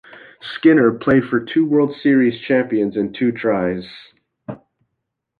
Skinner played for two World Series champions in two tries.